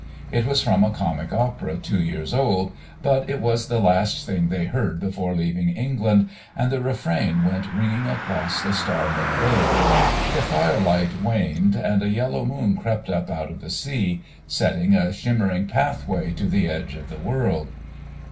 It was from a comic opera two years old, but it was the last thing they heard before leaving England, and the refrain went ringing across the star lit bay. The firelight waned, and a yellow moon crept up out of the sea, setting a shimmering pathway to the edge of the world.